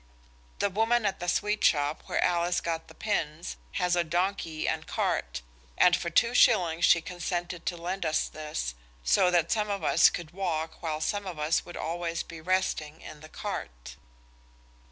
The woman at the sweet shop where Alice got the pins has a donkey and cart, and for two shillings she consented to lend us this, so that some of us could walk while some of us would always be resting in the cart.